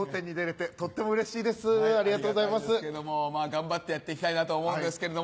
頑張ってやっていきたいなとは思うんですけれども。